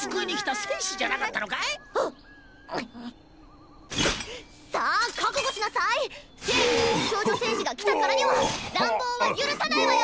正義の美少女戦士が来たからには乱暴は許さないわよ！